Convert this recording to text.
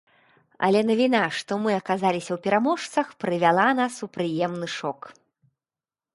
Але навіна, што мы аказаліся ў пераможцах прывяла нас у прыемны шок.